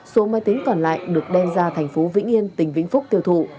số máy tính còn lại được đem ra thành phố vĩnh yên tỉnh vĩnh phúc tiêu thụ